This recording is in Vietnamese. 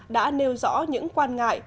đã nêu rõ những quan ngại